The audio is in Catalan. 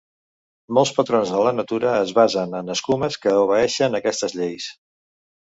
Molts patrons de la natura es basen en escumes que obeeixen aquestes lleis.